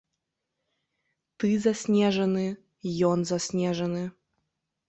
Ты заснежаны, ён заснежаны.